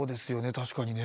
確かにね。